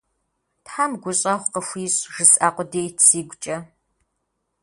«Тхьэм гущӀэгъу къыхуищӀ» жысӀа къудейт сигукӀэ.